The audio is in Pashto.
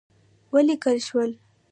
وليکل شول: